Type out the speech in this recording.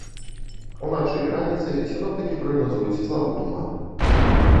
Уначы і раніцай сіноптыкі прагназуюць слабы туман.